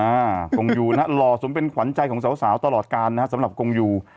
อ่ากงยูนะหล่อสมเป็นขวัญใจของสาวตลอดกาลนะครับสำหรับกงยู